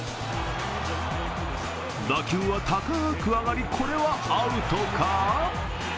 打球は高く上がり、これはアウトか？